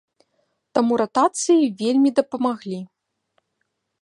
Таму ратацыі вельмі дапамаглі.